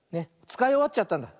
つかいおわっちゃったんだ。